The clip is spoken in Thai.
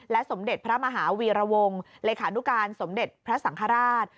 สมเด็จพระมหาวีรวงศ์เลขานุการสมเด็จพระสังฆราช